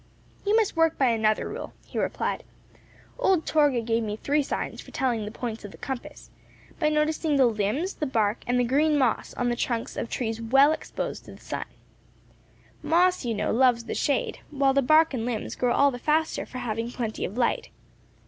"You must work by another rule," he replied. "Old Torgah gave me three signs for telling the points of the compass, by noticing the limbs, the bark, and the green moss on the trunks of trees well exposed to the sun. Moss, you know, loves the shade, while the bark and limbs grow all the faster for having plenty of light.